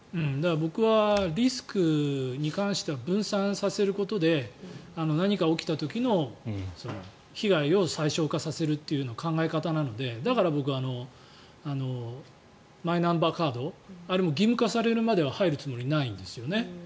僕はリスクに関しては分散させることで何か起きた時の被害を最小化させるという考え方なので、だから僕はマイナンバーカードあれも義務化されるまでは入るつもりはないんですね。